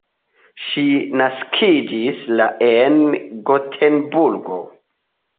Ŝi naskiĝis la en Gotenburgo.